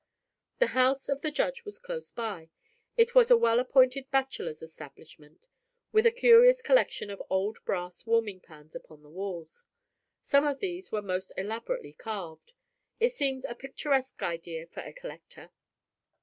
The house of the Judge was close by; it was a well appointed bachelor's establishment, with a curious collection of old brass warming pans upon the walls. Some of these were most elaborately carved. It seemed a picturesque idea for a collector.